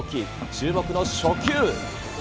注目の初球。